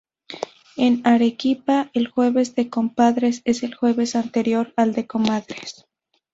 En Arequipa, el jueves de compadres es el jueves anterior al de comadres.